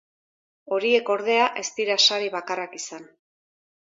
Horiek, ordea, ez dira sari bakarrak izan.